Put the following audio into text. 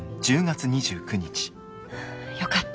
よかった。